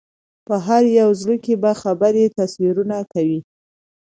په هر یو زړه کې به خبرې تصویرونه کوي